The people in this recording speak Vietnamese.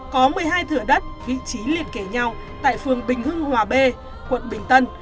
có một mươi hai thửa đất vị trí liên kể nhau tại phường bình hưng hòa b quận bình tân